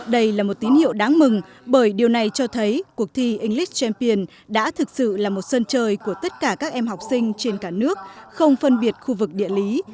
đây là một tín hiệu đáng mừng bởi điều này cho thấy cuộc thi english champion đã thực sự là một sân chơi của tất cả các em học sinh trên cả nước không phân biệt khu vực địa lý